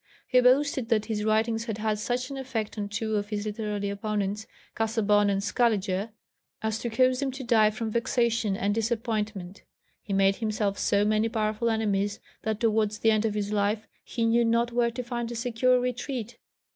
He boasted that his writings had had such an effect on two of his literary opponents, Casaubon and Scaliger, as to cause them to die from vexation and disappointment. He made himself so many powerful enemies that towards the end of his life he knew not where to find a secure retreat.